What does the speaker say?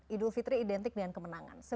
idul fitri identik dengan kemenangan